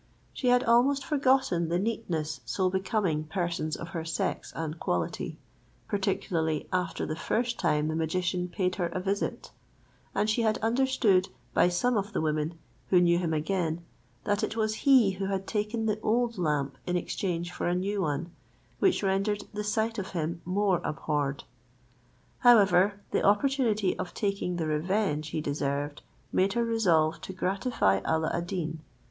She had almost forgotten the neatness so becoming persons of her sex and quality, particularly after the first time the magician paid her a visit; and she had understood by some of the women, who knew him again, that it was he who had taken the old lamp in exchange for a new one, which rendered the sight of him more abhorred. However, the opportunity of taking the revenge he deserved made her resolve to gratify Alla ad Deen.